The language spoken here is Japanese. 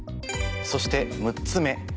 そして６つ目。